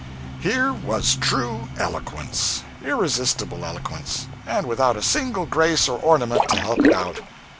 Here was true eloquence; irresistible eloquence; and without a single grace or ornament to help it out.